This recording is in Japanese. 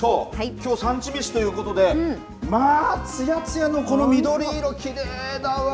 きょう、産地めしということでまあ、つやつやのこの緑色きれいだわ。